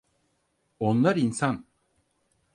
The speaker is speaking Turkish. Onlar insan.